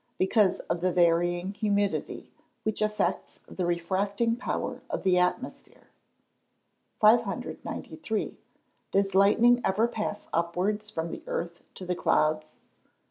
_ Because of the varying humidity, which affects the refracting power of the atmosphere. 593. _Does lightning ever pass upwards from the earth to the clouds?